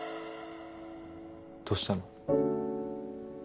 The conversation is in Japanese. どしたの？